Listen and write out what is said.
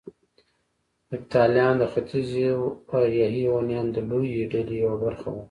هېپتاليان د ختيځو اریایي هونيانو د لويې ډلې يوه برخه وو